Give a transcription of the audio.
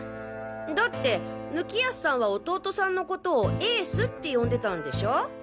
だって貫康さんは弟さんのことを「エース」って呼んでたんでしょ？